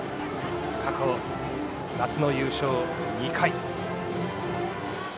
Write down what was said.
過去、夏の優勝２回。